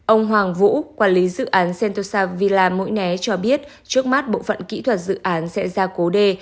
ông hoàng vũ quản lý dự án centosa villa mũi né cho biết trước mắt bộ phận kỹ thuật dự án sẽ ra cố đê